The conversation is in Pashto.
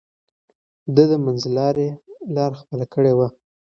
ده د منځلارۍ لار خپله کړې وه.